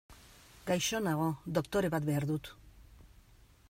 Gaixo nago, doktore bat behar dut.